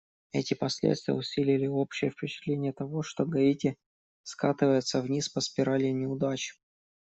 Эти последствия усилили общее впечатление того, что Гаити скатывается вниз по спирали неудач.